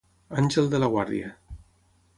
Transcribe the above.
Àngel de la guàrdia